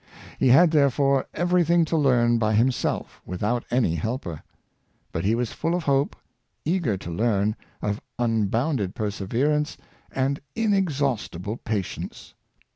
He had, there fore, everything to learn by himself, without any helper. But he was full of hope, eager to learn, of unbounded Derseverance and inexhaustible patience.